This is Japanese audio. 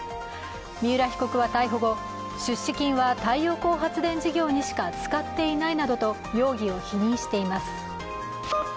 三浦被告は逮捕後、出資金は太陽光発電事業にしか使っていないなどと容疑を否認しています。